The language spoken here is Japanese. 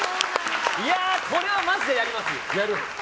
これはまじでやります。